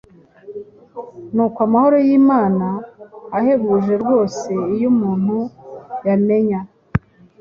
Nuko amahoro y’Imana, ahebuje rwose ayo umuntu yamenya,